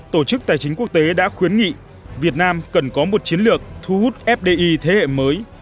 tổ chức tài chính quốc tế đã khuyến nghị việt nam cần có một chiến lược thu hút fdi thế hệ mới